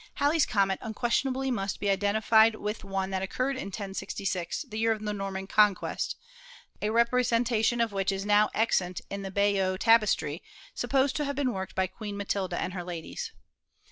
Halley's comet unquestionably must be identified with one that occurred in 1066, in the year of the Norman Conquest, a representation of which is now COMETS, METEORS AND METEORITES 235 extant in the Bayeux tapestry supposed to have been worked by Queen Matilda and her ladies.